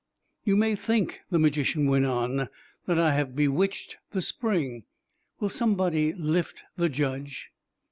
"You may think," the magician went on, "that I have bewitched the spring. Will somebody lift the Judge?"